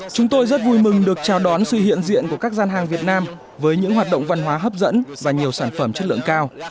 chúng tôi rất vui mừng được chào đón sự hiện diện của các gian hàng việt nam với những hoạt động văn hóa hấp dẫn và nhiều sản phẩm chất lượng cao